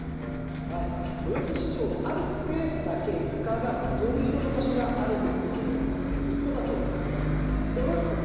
荒井さん、豊洲市場であるスペースだけ床が緑色の場所があるんですがどこだと思います？